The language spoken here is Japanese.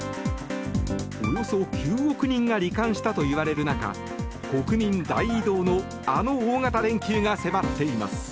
およそ９億人が罹患したといわれる中国民大移動のあの大型連休が迫っています。